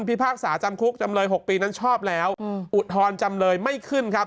พิพากษาจำคุกจำเลย๖ปีนั้นชอบแล้วอุทธรณ์จำเลยไม่ขึ้นครับ